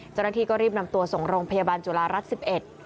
เจ้าหน้าที่ก็รีบนำตัวส่งโรงพยาบาลจุฬารัฐสิบเอ็ด